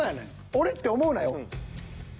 俺って思うなよ。